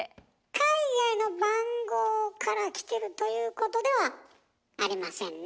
海外の番号からきてるということではありませんねえ。